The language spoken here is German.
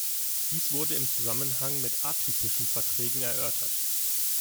Dies wurde im Zusammenhang mit atypischen Verträgen erörtert.